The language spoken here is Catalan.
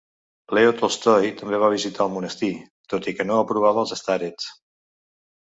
Leo Tolstoy també va visitar el monestir, tot i que no aprovava el starets.